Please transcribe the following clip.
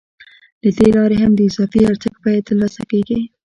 له دې لارې هم د اضافي ارزښت بیه ترلاسه کېږي